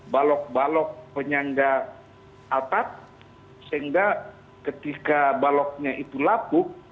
balok balok penyangga atap sehingga ketika baloknya itu lapuk